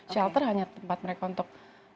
shelter hanya tempat mereka untuk